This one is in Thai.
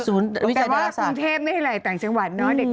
ศูนย์วิจัยภาษาแต่ว่ากรุงเทพฯไม่ได้เลยต่างจังหวัดเนาะ